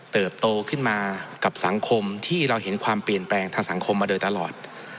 โตขึ้นมากับสังคมที่เราเห็นความเปลี่ยนแปลงทางสังคมมาโดยตลอด